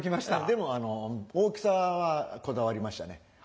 でも大きさはこだわりましたね。